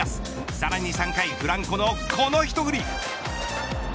さらに３回フランコのこの一振り。